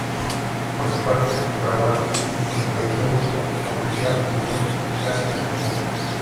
Por su parte, en Rawalpindi —donde falleció Bhutto—, la policía utilizó gas lacrimógeno.